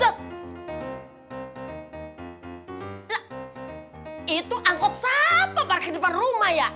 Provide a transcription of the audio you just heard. lah itu angkot sampah parkir depan rumah ya